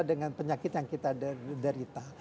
dengan penyakit yang kita derita